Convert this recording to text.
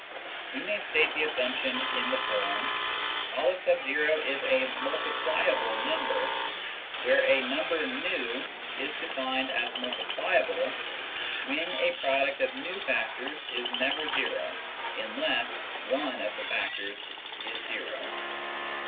We may state this assumption in the form :" N is a multipliable number," where a number v is defined as " multipliable " when a product of v factors is never zero unless one of the factors is zero.